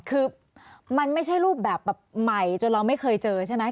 คือมันไม่ใช่รูปแบบแบบใหม่จนเราไม่เคยเจอใช่ไหม